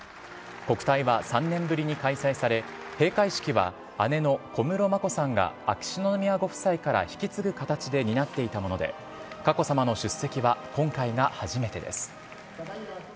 国体は３年ぶりに開催され、閉会式は姉の小室眞子さんが秋篠宮ご夫妻から引き継ぐ形で担っていたもので、佳子さまの出席は今回が初めてです。